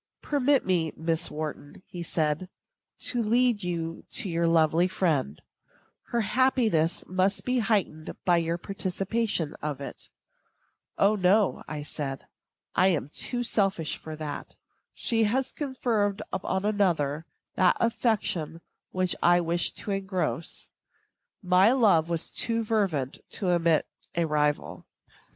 "Permit me, Miss Wharton," said he, "to lead you to your lovely friend; her happiness must be heightened by your participation of it." "O, no," said I, "I am too selfish for that. She has conferred upon another that affection which I wished to engross. My love was too fervent to admit a rival."